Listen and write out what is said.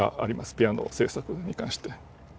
ピアノ製作に関して。